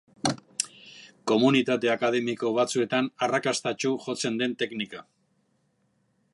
Komunitate akademiko batzuetan arrakastatsu jotzen den teknika.